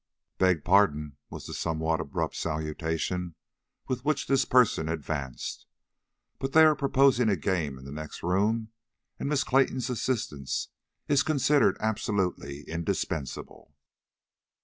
"Beg pardon," was the somewhat abrupt salutation with which this person advanced. "But they are proposing a game in the next room, and Miss Clayton's assistance is considered absolutely indispensable."